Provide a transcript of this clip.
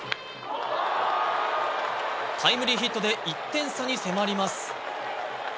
タイムリーヒットで１点差に迫ります。